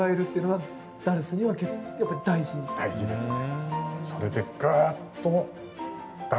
大事ですね。